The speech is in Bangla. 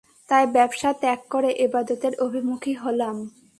তাই ব্যবসা ত্যাগ করে ইবাদতের অভিমুখী হলাম।